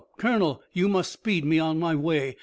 Colonel! You must speed me on my way!